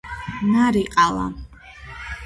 ნარიყალა